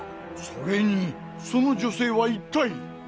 それにその女性は一体。